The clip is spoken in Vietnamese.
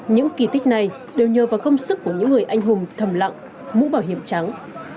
những kỳ tích này đều nhờ vào công sức của những người anh hùng thầm lặng mũ bảo hiểm trắng